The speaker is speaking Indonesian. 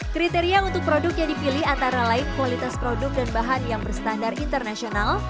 kriteria untuk produk yang dipilih antara lain kualitas produk dan bahan yang berstandar internasional